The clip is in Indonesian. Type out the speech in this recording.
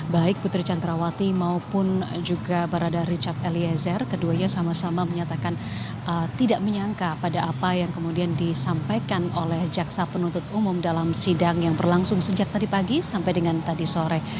baik putri candrawati maupun juga barada richard eliezer keduanya sama sama menyatakan tidak menyangka pada apa yang kemudian disampaikan oleh jaksa penuntut umum dalam sidang yang berlangsung sejak tadi pagi sampai dengan tadi sore